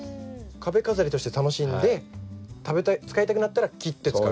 壁飾りとして楽しんで使いたくなったら切って使う。